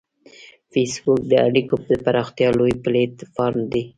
فېسبوک د اړیکو د پراختیا لوی پلیټ فارم دی